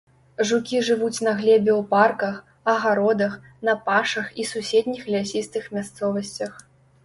Жукі жывуць на глебе ў парках, агародах, на пашах і суседніх лясістых мясцовасцях.